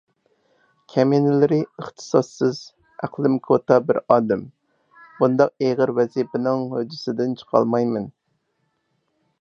كەمىنىلىرى، ئىختىساسسىز، ئەقلىم كوتا بىر ئادەم، بۇنداق ئېغىر ۋەزىپىنىڭ ھۆددىسىدىن چىقالمايمەن.